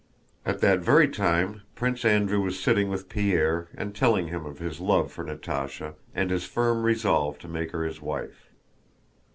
At that very time Prince Andrew was sitting with Pierre and telling him of his love for Natásha and his firm resolve to make her his wife.